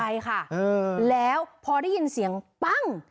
ใช่ค่ะแล้วพอได้ยินเสียงปั้ง